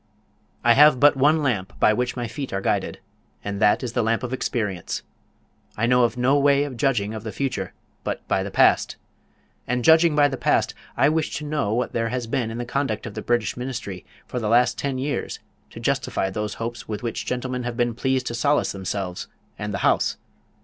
I have but one lamp by which my feet are guided; and that is the lamp of experience. I know of no way of judging of the future but by the past. And judging by the past, I wish to know what there has been in the conduct of the British Ministry for the last ten years to justify those hopes with which gentlemen have been pleased to solace themselves and the House?